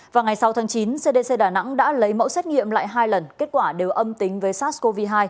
vào ngày sáu tháng chín cdc đà nẵng đã lấy mẫu xét nghiệm lại hai lần kết quả đều âm tính với sars cov hai